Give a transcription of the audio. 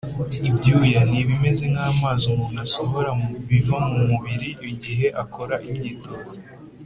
ibyuya: ni ibimeze nk’amazi umuntu asohora biva mu mubiri igihe akora imyitozo